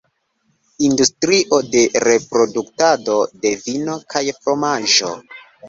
Industrio de produktado de vino kaj fromaĝo.